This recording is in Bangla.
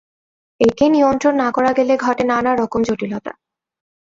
একে নিয়ন্ত্রণ না করা গেলে ঘটে নানা রকম জটিলতা।